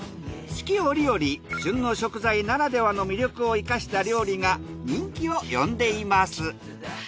四季折々旬の食材ならではの魅力を生かした料理が人気を呼んでいます。